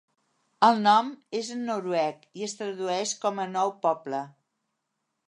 El nom és en noruec i es tradueix com a Nou Poble.